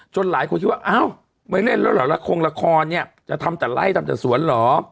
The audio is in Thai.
จนหลายคนคิดว่าเอ้าไปเล่นแรกวงละครเนี่ยจะทำแต่ไล่ทำแต่สวนเหรอ